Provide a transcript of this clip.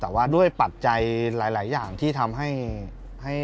แต่ว่าด้วยปัจจัยหลายอย่างที่ทำให้